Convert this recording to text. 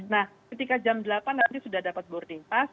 nah ketika jam delapan nanti sudah dapat boarding pass